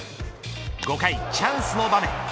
５回、チャンスの場面。